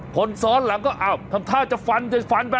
คนซ้อนหลังก็อ้าวทำท่าจะฟันจะฟันไป